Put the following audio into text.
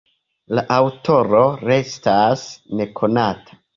La aŭtoro restas nekonata.